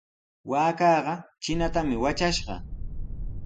Waakaqa trinatami watrashqa.